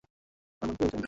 আমার নাম কীভাবে জানলে?